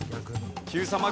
Ｑさま！！